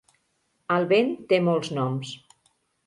El vent té molts noms.